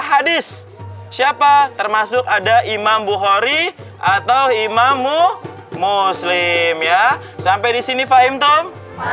hadis siapa termasuk ada imam bukhari atau imam mu muslim ya sampai di sini fahim tom